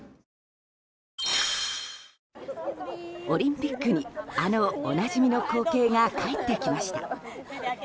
オリンピックにあのおなじみの光景が帰ってきました。